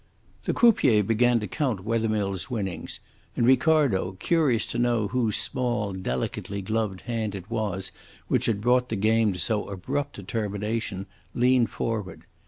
The croupier began to count Wethermill's winnings, and Ricardo, curious to know whose small, delicately gloved hand it was which had brought the game to so abrupt a termination, leaned forward.